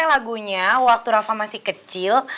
lagunya waktu rafa masih kecil